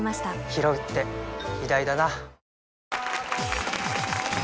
ひろうって偉大だな